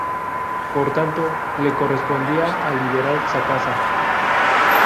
Por tanto, le correspondía al liberal Sacasa.